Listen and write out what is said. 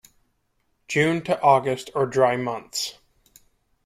June to August are dry months.